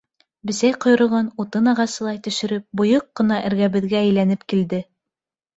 Бесәй ҡойроғон, утын ағасылай, төшөрөп, бойоҡ ҡына эргәбеҙгә әйләнеп килде.